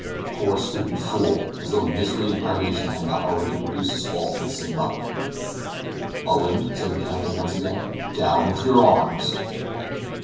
Poor stupid fool! as though misery and privation had not already reduced us all to the same level. "Owen," said the captain once again, "down with your arms!"